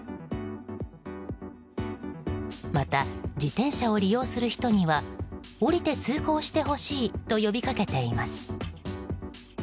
また、自転車を利用する人には降りて通行してほしいと呼びかけています。